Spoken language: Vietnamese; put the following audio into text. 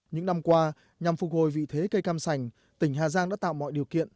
những năm qua nhằm phục hồi vị thế cây cam sành tỉnh hà giang đã tạo mọi điều kiện